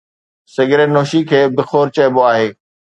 Cigarette نوشي کي بخور چئبو آهي.